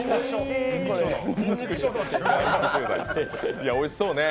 いや、おいしそうね。